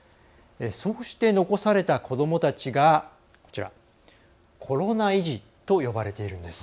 そうして残された子どもたちがコロナ遺児と呼ばれているんです。